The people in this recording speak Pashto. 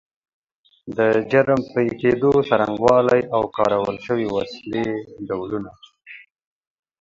د جرم پیښېدو څرنګوالی او کارول شوې وسلې ډولونه